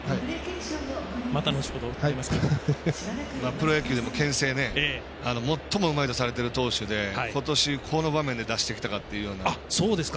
プロ野球でも、けん制最もうまいとされてる投手で今年この場面で出してきたかという。